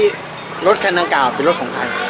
แล้วรู้ไม่ว่ารถแคคนังกาบเป็นรถของข้า